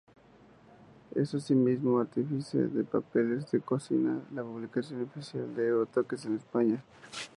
Es asimismo artífice de "Papeles de Cocina", la publicación oficial de Euro-Toques en España.